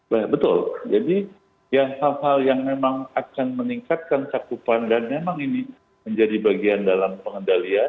baik betul jadi hal hal yang memang akan meningkatkan cakupan dan memang ini menjadi bagian dalam pengendalian